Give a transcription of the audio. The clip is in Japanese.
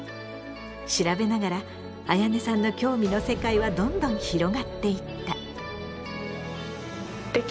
調べながらあやねさんの興味の世界はどんどん広がっていった。